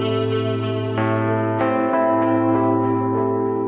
โปรดติดตามตอนต่อไป